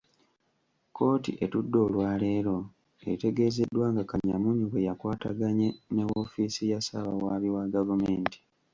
Kkooti etudde olwaleero, etegeezeddwa nga Kanyamunyu bwe yakwataganye ne woofiisi ya ssaabawaabi wa gavumenti.